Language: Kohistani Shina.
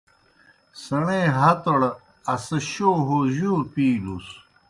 سیݨے ہتوْڑ اسہ شو ہو جوْ پِیلُس؟